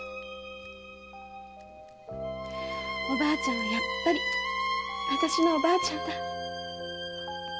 おばあちゃんはやっぱりあたしのおばあちゃんだ。